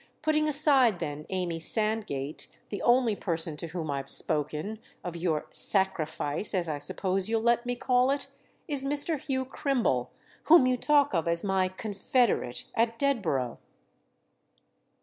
Putting aside then Amy Sandgate, the only person to whom I've spoken—of your 'sacrifice,' as I suppose you'll let me call it?—is Mr. Hugh Crimble, whom you talk of as my 'confederate' at Dedborough."